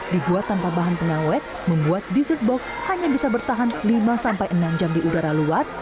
dibuat tanpa bahan pengawet membuat dessert box hanya bisa bertahan lima sampai enam jam di udara luar